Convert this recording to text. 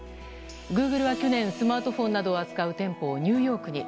グーグルは去年スマートフォンなどを扱う店舗をニューヨークに。